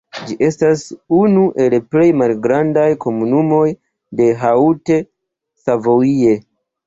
Ĝi estas unu el plej malgrandaj komunumoj de Haute-Savoie.